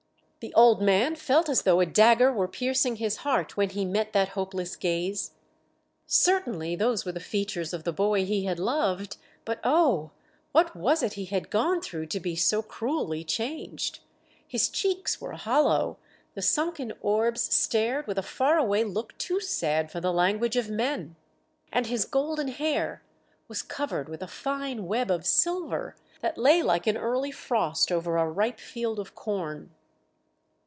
The old man felt as though a dagger were piercing his heart when he met that hopeless gaze. Certainly those were the features of the boy he had loved, but oh, what was it he had gone through to be so cruelly changed? His cheeks were hollow, the sunken orbs stared with a far away look too sad for the language of men, and his golden hair was covered with a fine web of silver that lay like an early frost over a ripe field of corn.